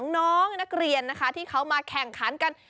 น้องนักเรียนนะคะที่เขามาแข่งขันกัน